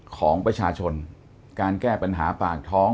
ของประชาชนการแก้ปัญหาปากท้อง